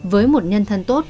với một nhân thân tốt